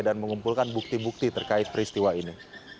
dan mengumpulkan bukti bukti terkait peristiwa ini